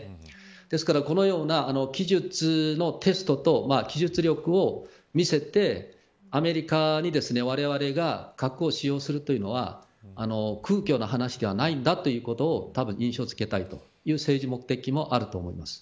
ですからこのような技術のテストと技術力を見せてアメリカに、われわれが核を使用するというのは空虚な話ではないんだということをたぶん印象づけたいという政治目的もあると思います。